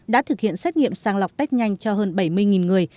đã thực hiện xét nghiệm sang lọc test nhanh cho hơn bảy mươi người